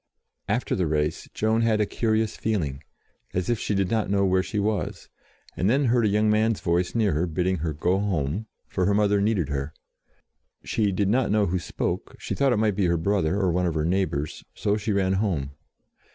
After the race Joan had a curious feeling as if she did not know where she was, and then heard a young man's voice near her, bid ding her go home, for her mother needed her. She did not know who spoke; she thought it might be her brother, or one of her neighbours, so she ran home.